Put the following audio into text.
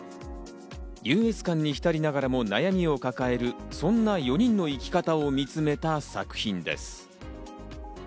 優越感に浸りながらも悩みを抱える、そんな４人の生き方を見つめた作品です。